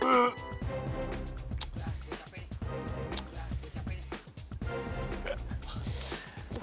udah gue capek nih